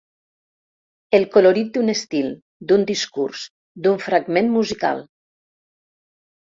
El colorit d'un estil, d'un discurs, d'un fragment musical.